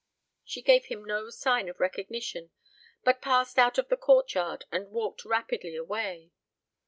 She gave him no sign of recognition, but passed out of the courtyard, and walked rapidly away.